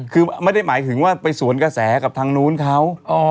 คือไม่ได้หมายถึงว่าไปสวนกระแสกับทางนู้นเขา